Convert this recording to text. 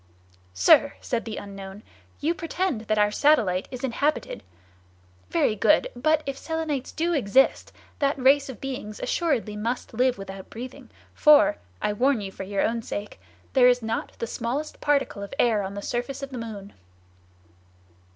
"Sir," said the unknown, "you pretend that our satellite is inhabited. Very good, but if Selenites do exist, that race of beings assuredly must live without breathing, for—I warn you for your own sake—there is not the smallest particle of air on the surface of the moon."